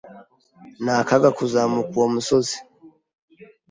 Ni akaga kuzamuka uwo musozi.